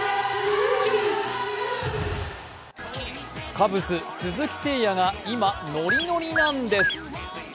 カブス・鈴木誠也が今、ノリノリなんです。